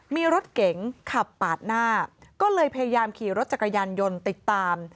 มีรถเก๋งขับปาดหน้าก็เลยพยายามขี่รถจักรยานยนต์ติดตาม